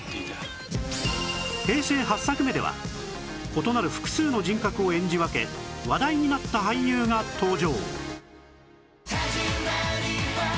平成８作目では異なる複数の人格を演じ分け話題になった俳優が登場